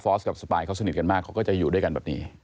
กับสปายเขาสนิทกันมากเขาก็จะอยู่ด้วยกันแบบนี้